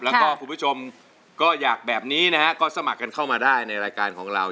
แล้วก็คุณผู้ชมก็อยากแบบนี้นะฮะก็สมัครกันเข้ามาได้ในรายการของเรา